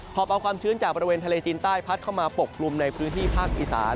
อบเอาความชื้นจากบริเวณทะเลจีนใต้พัดเข้ามาปกกลุ่มในพื้นที่ภาคอีสาน